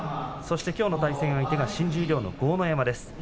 きょうの対戦相手が新十両の豪ノ山です。